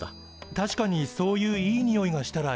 確かにそういういいにおいがしたらいいよね。